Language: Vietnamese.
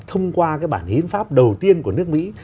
thông qua cái bản hiến pháp đầu tiên của nước mỹ